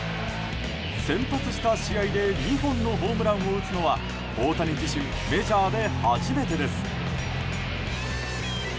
先発した試合で２本のホームランを打つのは大谷自身メジャーで初めてです。